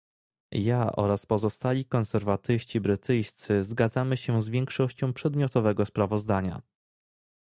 Ja oraz pozostali konserwatyści brytyjscy zgadzamy się z większością przedmiotowego sprawozdania